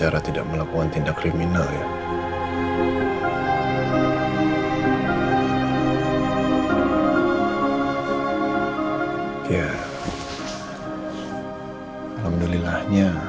ada apa apa di rumah